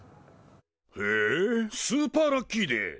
へえスーパーラッキーデー！